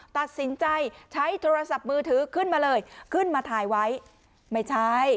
ตัดสินใจใช้โทรศัพท์มือถือขึ้นมาเลยขึ้นมาถ่ายไว้ไม่ใช่